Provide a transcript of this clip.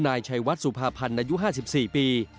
นายชัยวัดสุภาพันธ์อายุ๕๔ปี